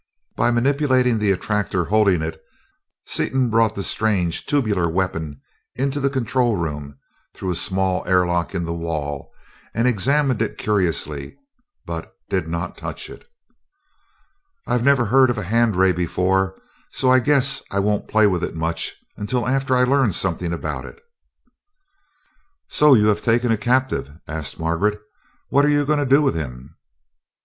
By manipulating the attractor holding it, Seaton brought the strange tubular weapon into the control room through a small air lock in the wall and examined it curiously, but did not touch it. "I never heard of a hand ray before, so I guess I won't play with it much until after I learn something about it." "So you have taken a captive?" asked Margaret. "What are you going to do with him?"